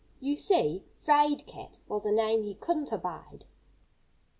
You see, "'fraid cat" was a name he couldn't abide.